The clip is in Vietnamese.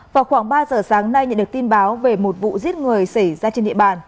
vào khoảng ba giờ sáng nay nhận được tin báo về một vụ giết người xảy ra trên địa bàn